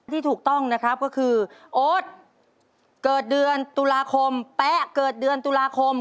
ที่ถูกต้องนะครับก็คือโอ๊ตเกิดเดือนตุลาคมแป๊ะเกิดเดือนตุลาคม